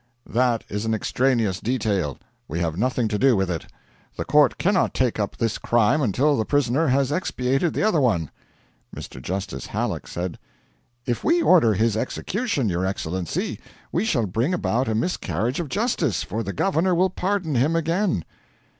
'That is an extraneous detail; we have nothing to do with it. The court cannot take up this crime until the prisoner has expiated the other one.' Mr. Justice Halleck said: 'If we order his execution, your Excellency, we shall bring about a miscarriage of justice, for the governor will pardon him again.'